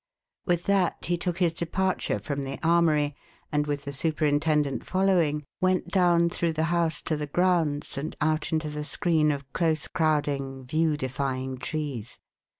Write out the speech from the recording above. With that he took his departure from the armoury and, with the superintendent following, went down through the house to the grounds and out into the screen of close crowding, view defying trees.